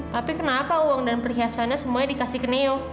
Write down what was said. tapi kenapa uang dan perhiasannya semuanya dikasih ke neo